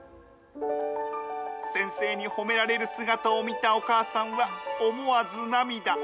先生に褒められる姿を見たお母さんは思わず涙。